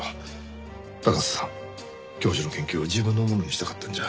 高瀬さん教授の研究を自分のものにしたかったんじゃ。